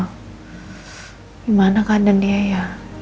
gimana keadaan dia ya